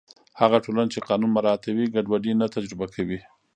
هغه ټولنه چې قانون مراعتوي، ګډوډي نه تجربه کوي.